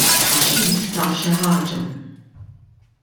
Għax int taf xi ħaġa.